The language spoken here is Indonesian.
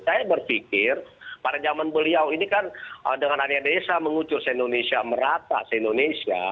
saya berpikir pada zaman beliau ini kan dengan adanya desa mengucur se indonesia merata se indonesia